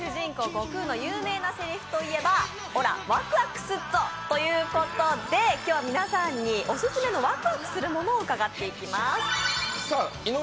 悟空の有名なセリフといえば「オラ、わくわくすっぞ！」ということで今日は皆さんのオススメのワクワクするものを伺っていきます。